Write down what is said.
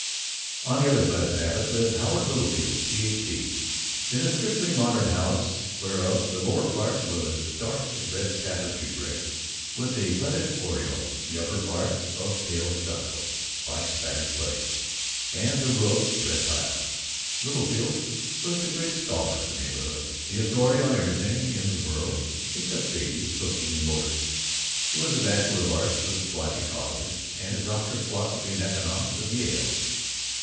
On the other side of Babbitt lived Howard Littlefield, Ph.D., in a strictly modern house whereof the lower part was dark red tapestry brick, with a leaded oriel, the upper part of pale stucco like spattered clay, and the roof red tiled. Littlefield was the Great Scholar of the neighborhood; the authority on everything in the world except babies, cooking, and motors. He was a Bachelor of Arts of Blodgett College, and a Doctor of Philosophy in economics of Yale.